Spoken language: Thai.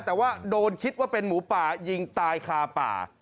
แต่ว่าโดนคิดว่าเป็นหมูป่ายิงตายคาป่า